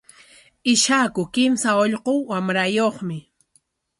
Ishaku kimsa ullqu wamrayuqmi.